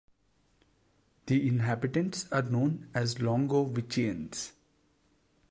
The inhabitants are known as "Longoviciens".